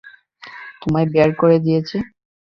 তোমায় বের করে দিয়েছে?